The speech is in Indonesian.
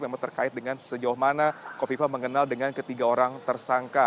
memang terkait dengan sejauh mana kofifa mengenal dengan ketiga orang tersangka